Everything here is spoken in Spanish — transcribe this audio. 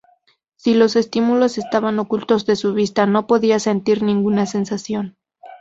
Si los estímulos estaban ocultos de su vista, no podía sentir ninguna sensación.